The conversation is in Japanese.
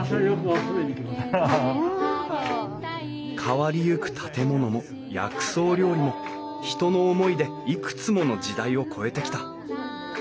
変わりゆく建物も薬草料理も人の思いでいくつもの時代を超えてきた。